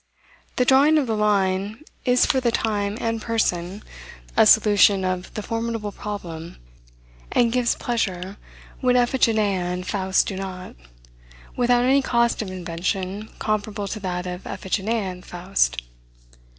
The drawing of the line is for the time and person, a solution of the formidable problem, and gives pleasure when Iphigenia and Faust do not, without any cost of invention comparable to that of Iphigenia and Faust.